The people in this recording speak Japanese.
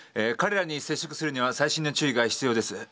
彼らに接触するには細心の注意が必要です。